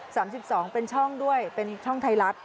สิบสองเป็นช่องด้วยเป็นช่องไทยรัฐ